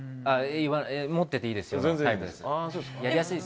持っていていいですよ。